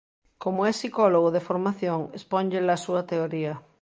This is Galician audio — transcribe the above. Como é psicólogo de formación, exponlles a súa teoría.